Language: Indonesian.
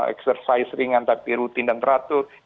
eksersis ringan tapi rutin dan teratur